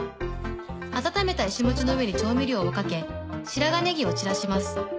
温めたイシモチの上に調味料をかけ白髪ネギを散らします。